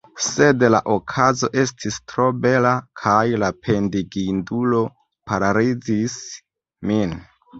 Sed la okazo estis tro bela, kaj la pendigindulo paralizis min.